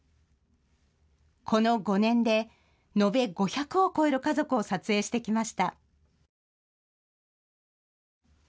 この５年で延べ５００を超える家族を撮影してきました。